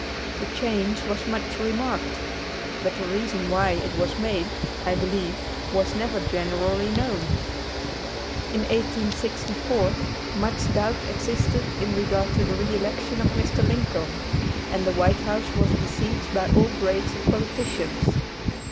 The change was much remarked, but the reason why it was made, I believe, was never generally known. In 1864 much doubt existed in regard to the re election of Mr. Lincoln, and the White House was besieged by all grades of politicians.